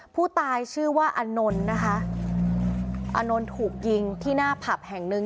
ผู้ตายชื่อว่าอะนนอะนนถูกยิงที่หน้าผับแห่งนึง